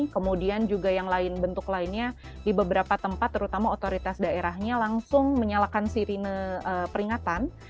kemudian juga yang lain bentuk lainnya di beberapa tempat terutama otoritas daerahnya langsung menyalakan sirine peringatan